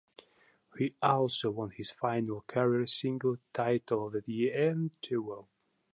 He also won his final career singles title that year at Antwerp.